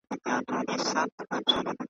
خر په پوه سو چي لېوه ووغولولی .